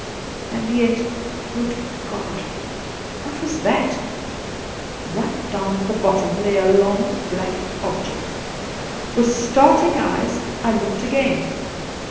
And yet — good God ! what was that ? Eight down at the bottom lay a long black object. With starting eyes I looked again.